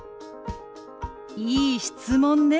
いい質問ね。